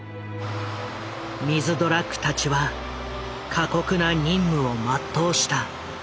ミズドラックたちは過酷な任務を全うした。